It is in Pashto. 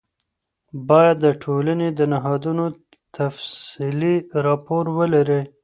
باید د ټولنې د نهادونو تفصیلي راپور ولرئ.